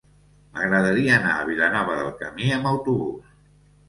M'agradaria anar a Vilanova del Camí amb autobús.